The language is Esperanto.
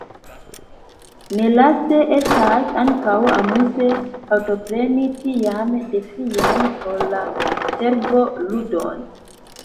Nelaste estas ankaŭ amuze, partopreni tian defian por la cerbo ludon.